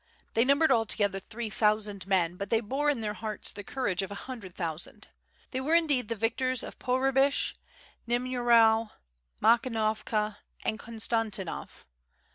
They numbered altogether three thousand men, but they bore in their hearts the courage of a hundred thousand. They were indeed the victors of Pohrebyshch Niemyerow, Makhnovka, and Konstantinov.